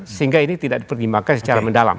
sehingga ini tidak dipertimbangkan secara mendalam